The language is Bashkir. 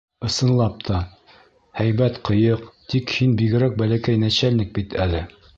Ысынлап та, һәйбәт ҡыйыҡ, тик һин бигерәк бәләкәй нәчәлник бит әле.